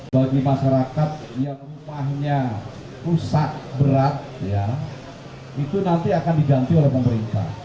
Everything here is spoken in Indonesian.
bagi masyarakat yang rumahnya rusak berat itu nanti akan diganti oleh pemerintah